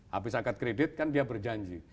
habis angkat kredit kan dia berjanji